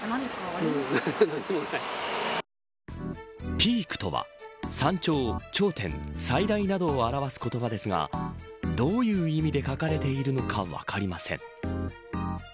ｐｅａｋとは山頂、頂点、最大など表す言葉ですがどういう意味で書かれているのか分かりません。